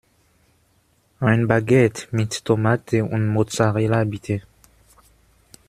Ein Baguette mit Tomate und Mozzarella, bitte!